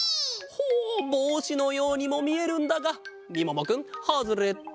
ほうぼうしのようにもみえるんだがみももくんハズレット！